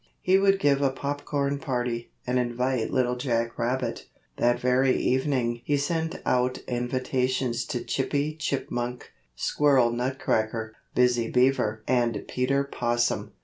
He would give a popcorn party, and invite Little Jack Rabbit. That very evening he sent out invitations to Chippy Chipmunk, Squirrel Nutcracker, Busy Beaver and Peter Possum.